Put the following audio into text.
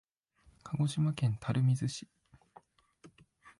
鹿児島県垂水市